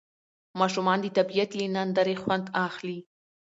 ماشومان د طبیعت له نندارې خوند اخلي